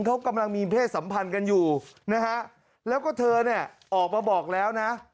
เขากำลังมีเพศสัมพันธ์กันอยู่นะฮะแล้วก็เธอเนี่ยออกมาบอกแล้วนะ